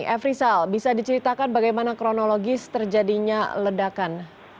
efrisal bisa diceritakan bagaimana kronologis terjadinya ledakan